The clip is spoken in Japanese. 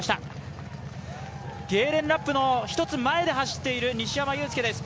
ゲーレン・ラップの１つ前で走っている西山雄介です。